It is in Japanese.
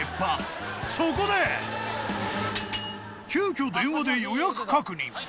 急きょ電話で予約確認